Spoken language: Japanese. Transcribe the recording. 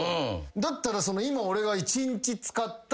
だったら今俺が。